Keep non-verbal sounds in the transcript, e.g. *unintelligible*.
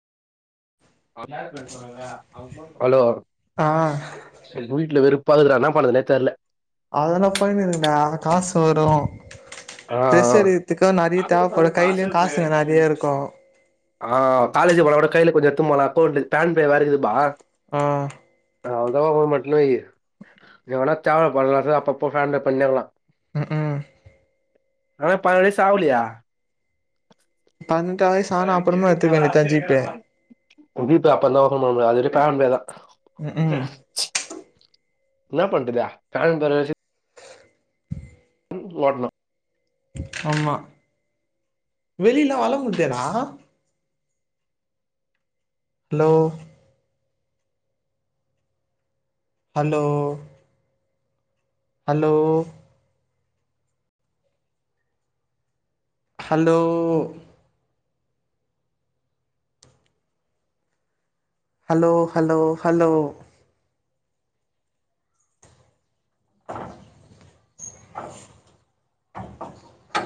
hello ஆ சேரி வீட்டுல வெறுப்பாருக்குறா எண்ண பண்றதுனே தெர்ல அதெல்லா ஃபைனு இருக்குடா காசு வரும் ஆ பிரஷரேத்துக்கு நறைய தேவைப்படும் கையிலயு காசுங்க நறைய இருக்கு ஆ காலேஜ் போலோட கையில கொஞ்ச எடுத்துட்டு போல அண்ட் பேன் பே வேறக்குதுப்பா ஆ அவதா மட்டலு *unintelligible* *unintelligible* *unintelligible* *unintelligible* அப்பபோ பண்ணாங்கலா ம் ம் அ பழைய *unintelligible* பதினெட்டு வயசு ஆனா அப்புறமா எத்துக்க வேண்டிதா ஜி பே ஜு பே அப்ப தா ஓபன் பண்ண முடியு அது வரைக்கும் சாதாரண பே தா உ உம் என்னாபன்றது கால *unintelligible* ஓட்டனு ஆமா வெளியில வள முடியாதா hello hello hello hello hello hello hello